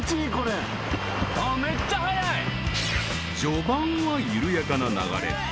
［序盤は緩やかな流れ］